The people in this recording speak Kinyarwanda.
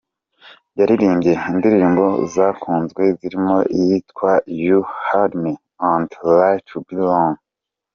Yaririmbye indirimbo zakunzwe zirimo iyitwa “You Had Me” na “Right To Be Wrong”.